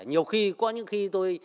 nhiều khi có những khi tôi